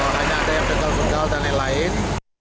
hanya ada yang pegal pegal dan lain lain